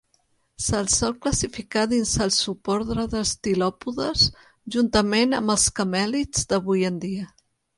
Se'l sol classificar dins el subordre dels tilòpodes, juntament amb els camèlids d'avui en dia.